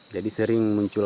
jadi sering muncul